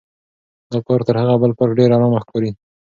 دا پارک تر هغه بل پارک ډېر ارامه ښکاري.